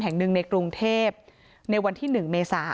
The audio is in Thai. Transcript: แห่งหนึ่งในกรุงเทพในวันที่๑เมษา